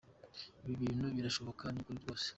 Ibi bintu birashoboka, ni ukuri rwose.